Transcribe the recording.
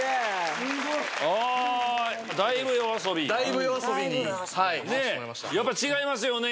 すごい！やっぱ違いますよね？